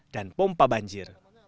dan pompa banjir